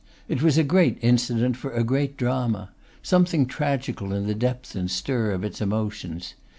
It was a great incident for a great drama; something tragical in the depth and stir of its emotions.